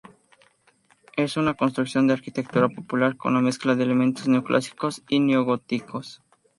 Es una construcción de arquitectura popular con mezcla de elementos neoclásicos y neogóticos.